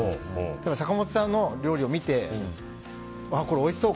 坂本さんの料理を見てこれ、おいしそう。